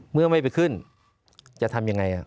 เมื่อไม่ไปขึ้นจะทำยังไง